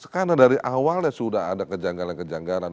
karena dari awalnya sudah ada kejanggalan kejanggalan